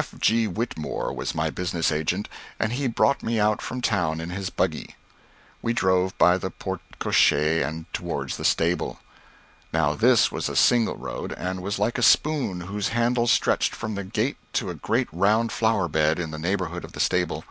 F. G. Whitmore was my business agent, and he brought me out from town in his buggy. We drove by the porte cochère and toward the stable. Now this was a single road, and was like a spoon whose handle stretched from the gate to a great round flower bed in the neighborhood of the stable.